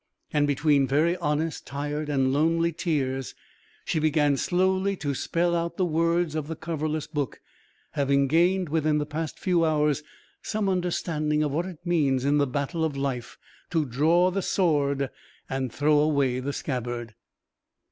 And between very honest, tired, and lonely tears she began slowly to spell out the words of the coverless book, having gained within the past few hours some understanding of what it means in the battle of life to draw the sword and throw away the scabbard.